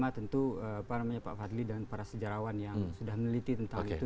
tentu pak fadli dan para sejarawan yang sudah meneliti tentang itu